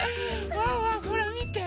ワンワンほらみて。